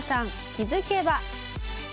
「気づけば」